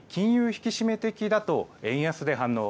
引き締め的だと円安で反応。